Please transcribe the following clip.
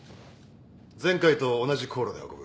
前回と同じ航路で運ぶ。